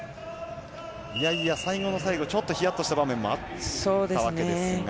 最後の最後ちょっとヒヤッとした場面があったわけですが。